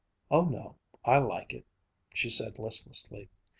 "Oh no, I like it," she said listlessly.